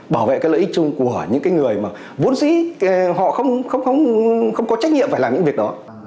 bảo vệ cái lợi ích chung của những cái người mà vốn dĩ họ không có trách nhiệm phải làm những việc đó